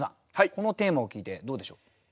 このテーマを聞いてどうでしょう？